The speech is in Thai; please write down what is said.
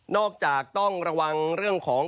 จากต้องระวังเรื่องของ